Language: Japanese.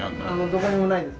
どこにもないです。